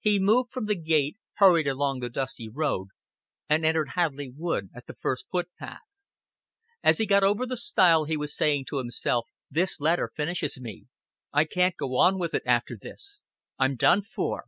He moved from the gate, hurried along the dusty road, and entered Hadleigh Wood at the first footpath. As he got over the stile he was saying to himself, "This letter finishes me. I can't go on with it after this. I'm done for."